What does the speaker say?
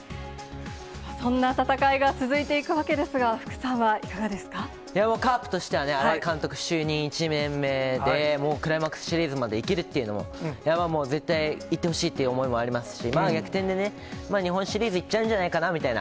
そんな戦いが続いていくわけいやもう、カープとしてはね、新井監督就任１年目で、もうクライマックスシリーズまでいけるっていうの、絶対いってほしいという思いもありますし、逆転で、日本シリーズいっちゃうんじゃないかなみたいな。